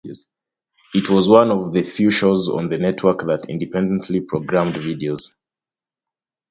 It was one of the few shows on the network that independently programmed videos.